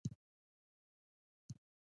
وتښتئ! پوليس راغلل!